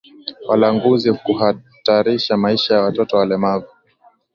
Walanguzi kuhatarisha maisha ya watoto walemavu